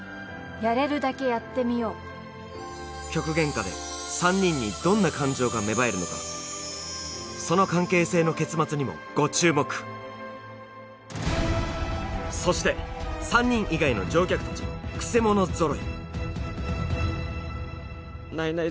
やれるだけやってみよう極限下で３人にどんな感情が芽生えるのかその関係性の結末にもご注目そして３人以外の乗客たちもクセ者揃いないない